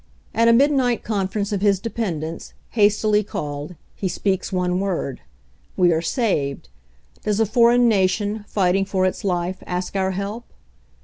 At a midnight conference of his dependents, hastily called, he speaks one word. We are saved. Does a foreign nation, fighting for its life, ask our help?